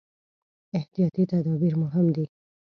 احتیاطي تدابیر مهم دي.